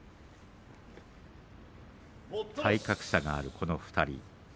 体格差のある、この２人。